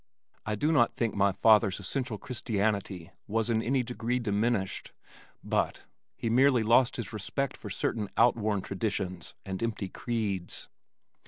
I do not think my father's essential Christianity was in any degree diminished, he merely lost his respect for certain outworn traditions and empty creeds.